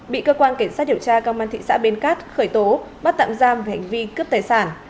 bị cơ quan cảnh sát điều tra công an thị xã bến cát khởi tố bắt tạm giam về hành vi cướp tài sản